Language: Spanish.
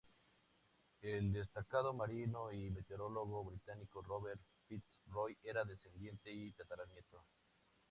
El destacado marino y meteorólogo británico Robert Fitz Roy era descendiente y tataranieto.